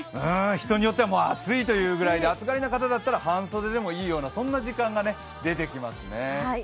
人によっては暑いぐらいで暑がりな方だったら半袖でもいいような時間が出てきますね。